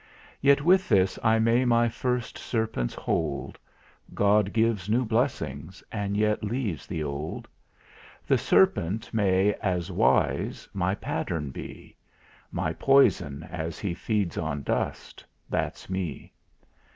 Yet with this I may my first Serpents hold; God gives new blessings, and yet leaves the old The Serpent, may, as wise, my pattern be; My poison, as he feeds on dust, that's me.